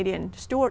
đáng chú ý